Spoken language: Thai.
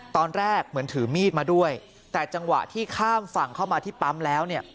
ตอนแรกเหมือนถือมีดมาด้วยแต่จังหวะที่ข้ามฝั่งเข้ามาที่ปั๊มแล้วเนี่ย